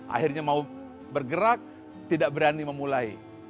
akhirnya mau bergerak tidak berani memulai